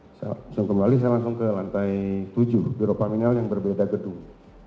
langsung kembali saya langsung ke lantai tujuh birokaminal yang berbeda gedung